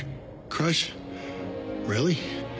クラッシュ。